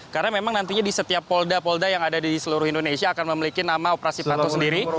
karena memang nantinya di setiap polda polda yang ada di seluruh indonesia akan memiliki nama operasi patu sendiri